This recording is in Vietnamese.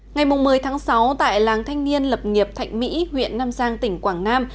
ngày một mươi tháng sáu tại làng thanh niên lập nghiệp thạnh mỹ huyện nam giang tỉnh quảng nam